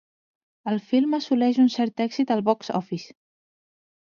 El film assoleix un cert èxit al box-office.